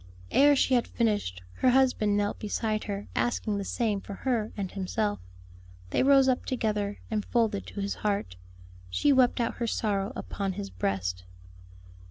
Ere she had finished, her husband knelt beside her asking the same for her and himself. They rose up together, and folded to his heart, she wept out her sorrow upon his breast.